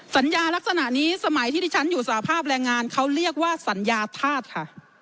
สัญญาลักษณะนี้สมัยที่ที่ฉันอยู่สภาพแรงงานเขาเรียกว่าสัญญาธาตุค่ะ